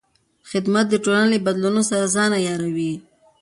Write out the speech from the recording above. خدمت د ټولنې له بدلونونو سره ځان عیاروي.